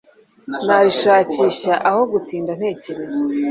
Narishakisha aho gutinda ntekereza.